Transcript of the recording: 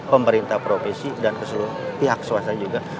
pemerintah provinsi dan keseluruhan pihak swasta juga